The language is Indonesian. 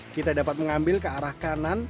kita dapat mengambil ke arah kanan